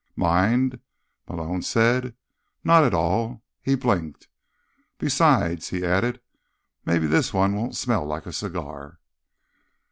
"Mind?" Malone said. "Not at all." He blinked. "Besides," he added, "maybe this one won't smell like a cigar."